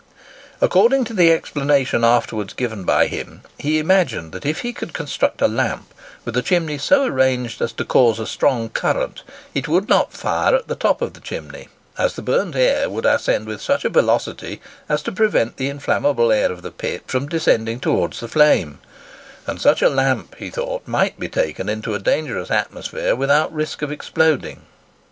According to the explanation afterwards given by him, he imagined that if he could construct a lamp with a chimney so arranged as to cause a strong current, it would not fire at the top of the chimney; as the burnt air would ascend with such a velocity as to prevent the inflammable air of the pit from descending towards the flame; and such a lamp, he thought, might be taken into a dangerous atmosphere without risk of exploding.